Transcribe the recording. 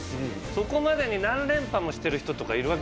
そこまでに何連覇もしてる人とかいるわけでしょ？